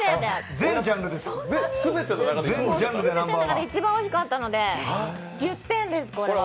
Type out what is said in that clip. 全ての中で一番おいしかったので１０点です。